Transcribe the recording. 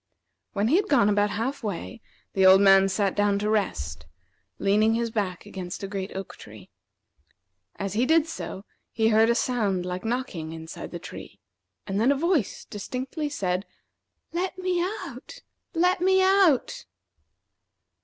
When he had gone about half way, the old man sat down to rest, leaning his back against a great oak tree. As he did so, he heard a sound like knocking inside the tree, and then a voice distinctly said: "Let me out! let me out!"